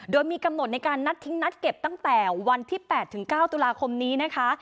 โดยมีกำหนดในการนัดทิ้งนัดเก็บตั้งแต่วันที่๘ถึง๙ตุลาคมนี้นะคะ